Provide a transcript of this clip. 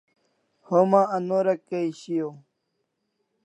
Homa anorà kay shiaw